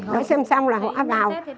đó xem xong là họ vào